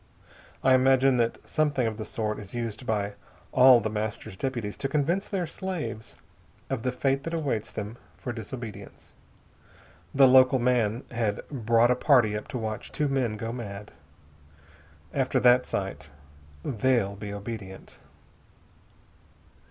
I imagine that something of the sort is used by all The Master's deputies to convince their slaves of the fate that awaits them for disobedience. The local man had brought a party up to watch two men go mad. After that sight they'll be obedient."